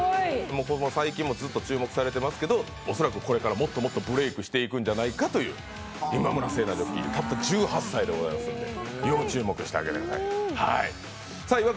最近も注目されてますけどおそらくこれからもっともっとブレイクしていくんじゃないかという今村聖奈騎手１８歳でございますので、要注目してあげていただいて。